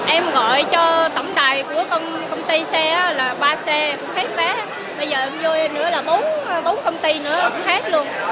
em gọi cho tổng tài của công ty xe là ba xe cũng hết vé bây giờ em vô nữa là bốn công ty nữa cũng hết luôn